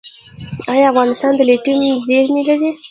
آیا افغانستان د لیتیم زیرمې لري؟